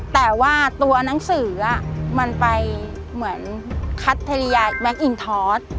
แต่ว่าตัวหนังสือมันไปเหมือนคัทธริยาแบ็คอินทอส